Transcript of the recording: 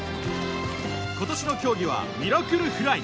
今年の競技は「ミラクル☆フライ」。